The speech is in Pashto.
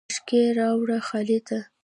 بشکی راوړه خالده !